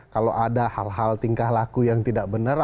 kalau ada hal hal tingkah laku yang tidak benar